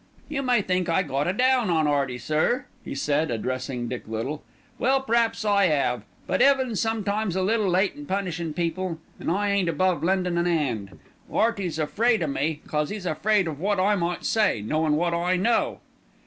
"You may think I got a down on 'Earty, sir?" he said, addressing Dick Little. "Well, p'rap's I 'ave: but 'Eaven's sometimes a little late in punishin' people, an' I ain't above lendin' an 'and. 'Earty's afraid o' me because 'e's afraid of wot I may say, knowin' wot I know."